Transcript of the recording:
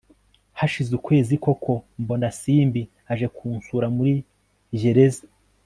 hashize ukwezi koko mbona simbi aje kunsura muri jyereza